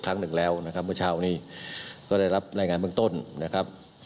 ครั้งหนึ่งแล้วนะครับเมื่อเช้านี้ก็ได้รับรายงานเบื้องต้นนะครับ